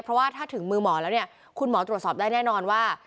เพราะว่าถ้าถึงมือหมอแล้วเนี่ยคุณหมอตรวจสอบได้แน่นอนว่า